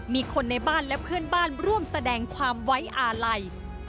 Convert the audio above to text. มีคนในบ้านและเพื่อนบ้านร่วมแสดงความไว้อาลัย